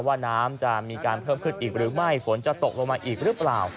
ว่าน้ำจะมีการเพิ่มขึ้นอีกหรือไม่ฝนจะตกลงมาอีกหรือเปล่า